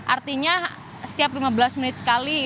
artinya setiap lima belas menit sekali